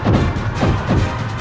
aku akan menang